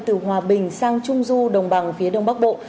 từ hòa bình sang trung du đồng bằng phía đông bắc bộ